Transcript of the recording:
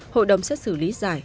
hội đồng xét xử lý giải